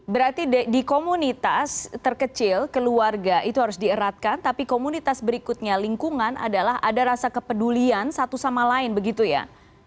berarti di komunitas terkecil keluarga itu harus dieratkan tapi komunitas berikutnya lingkungan adalah ada rasa kepedulian satu sama lain begitu ya